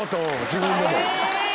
自分でも。